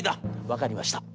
『分かりました。